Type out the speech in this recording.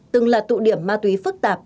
từng là tụ điểm ma túy phức tạp